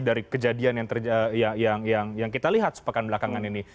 dari kejadian yang kita lihat sepekan belakangan ini